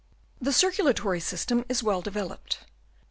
The circulatory system is well developed.